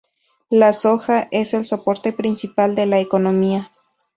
La soja es el soporte principal de la economía.